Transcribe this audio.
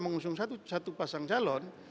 mengusung satu pasang calon